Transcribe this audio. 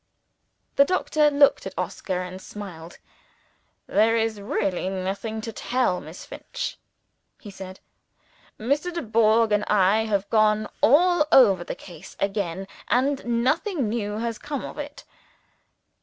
The doctor looked at Oscar, and smiled. "There is really nothing to tell Miss Finch," he said. "Mr. Dubourg and I have gone all over the case again and nothing new has come of it.